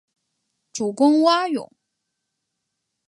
主攻蛙泳。